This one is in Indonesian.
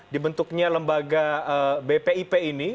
dibentuknya lembaga bpip ini